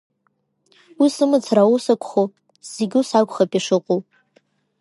Уи сымацара аусакәху, зегь ус акәхап ишыҟоу.